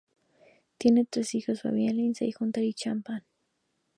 Tiene tres hijos: Fabien, Lindsay y Hunter Chapman.